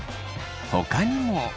ほかにも。